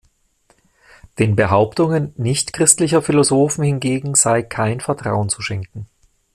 Den Behauptungen nichtchristlicher Philosophen hingegen sei kein Vertrauen zu schenken.